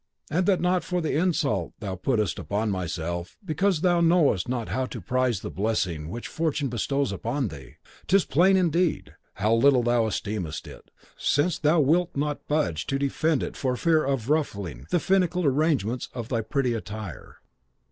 And that not for the insult thou puttest upon myself, but because thou knowest not how to prize the blessing which fortune bestows upon thee. 'Tis plain, indeed, how little thou esteemest it, since thou wilt not budge to defend it for fear of ruffling the finical arrangement of thy pretty attire.